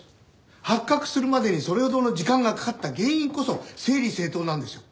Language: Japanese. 発覚するまでにそれほどの時間がかかった原因こそ整理整頓なんですよ。